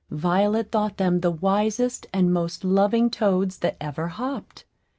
Violet thought them the wisest and most loving toads that ever hopped.